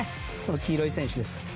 黄色い選手です。